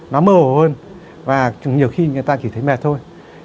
nó mờ hơn và nhiều khi người ta chỉ thấy mệt thôi